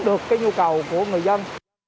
được cái nhu cầu của người dân